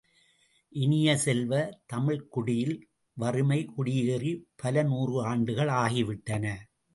இனிய செல்வ, தமிழ்க் குடியில் வறுமை குடியேறிப் பலநூறு ஆண்டுகள் ஆகிவிட்டன.